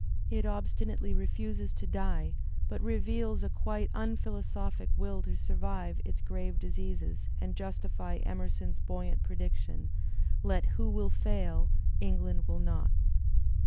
It obstinately refuses to die but reveals a quite unphilosophic will to survive its grave diseases and justify Emerson's buoy ant prediction: "Let who will fail, England will not."